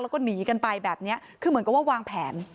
แล้วก็หนีกันไปแบบนี้คือเหมือนกับว่าวางแผน